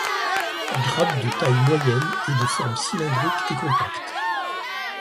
Grappes de taille moyenne et de forme cylindrique et compacte.